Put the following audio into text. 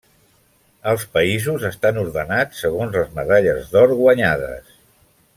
Els països estan ordenats segons les medalles d'or guanyades.